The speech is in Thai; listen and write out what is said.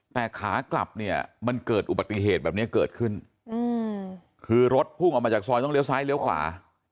แต่ขากลับเนี่ยมันเกิดอุบัติเหตุแบบนี้เกิดขึ้นคือรถพุ่งออกมาจากซอยต้องเลี้ยซ้ายเลี้ยวขวา